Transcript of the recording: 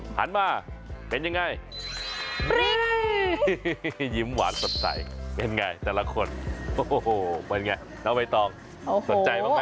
หันมาเป็นยังไงยิ้มหวานสดใสเป็นไงแต่ละคนโอ้โหเป็นไงน้องใบตองสนใจบ้างไหม